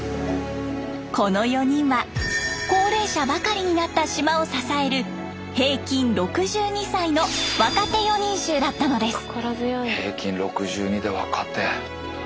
この４人は高齢者ばかりになった島を支える平均６２歳の若手四人衆だったのです。